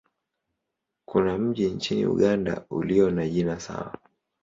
Kuna mji nchini Uganda ulio na jina sawa.